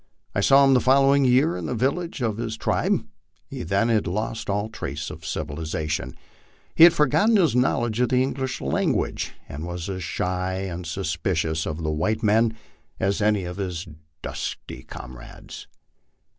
I saw him the following year in the village of his tribe ; he then had lost all trace of civilization, had forgotten his knowledge of the English language, and was as shy and suspicious of the white men as any of his dusky comrades.